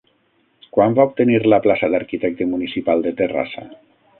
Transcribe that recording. Quan va obtenir la plaça d'arquitecte municipal de Terrassa?